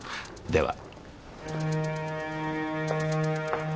では。